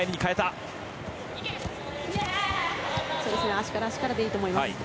足から、足からでいいと思います。